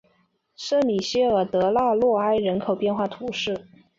圣米歇尔德拉罗埃人口变化图示